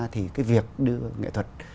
thì cái việc đưa nghệ thuật